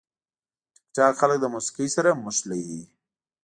ټیکټاک خلک د موسیقي سره نښلوي.